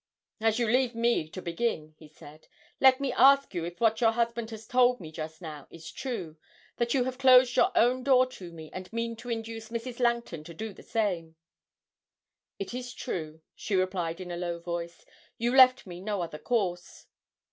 'As you leave me to begin,' he said, 'let me ask you if what your husband has told me just now is true that you have closed your own door to me, and mean to induce Mrs. Langton to do the same?' 'It is true,' she replied in a low voice; 'you left me no other course.'